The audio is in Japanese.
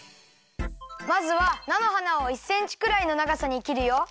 まずはなのはなを１センチくらいのながさにきるよ。